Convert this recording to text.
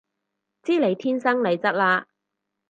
知你天生麗質嘞